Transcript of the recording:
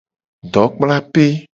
Dokplape.